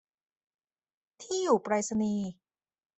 ที่อยู่ไปรษณีย์